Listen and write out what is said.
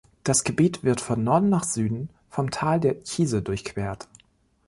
Das Gebiet wird von Norden nach Süden vom Tal der Chise durchquert.